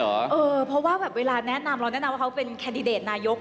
เพราะว่าแบบเวลาแนะนำเราแนะนำว่าเขาเป็นแคนดิเดตนายก